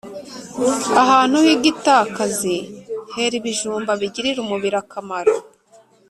ahantu h’igitakazi hera ibijumba bigirira umubiri akamaro